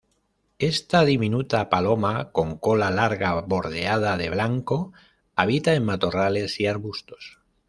Esta diminuta paloma con cola larga bordeada de blanco, habita en matorrales y arbustos.